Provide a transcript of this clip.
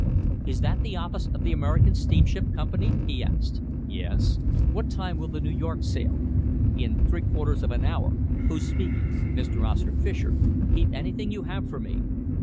"Is that the office of the American Steamship Company?" he asked. "Yes." "What time will the New York sail?" "In three quarters of an hour. Who's speaking?" "Mr. Oscar Fischer. Keep anything you have for me."